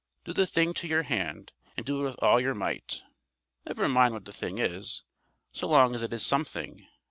Do the thing to your hand, and do it with all your might. Never mind what the thing is; so long as it is something.